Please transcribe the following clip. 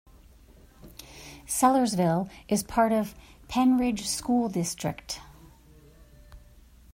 Sellersville is part of Pennridge School District.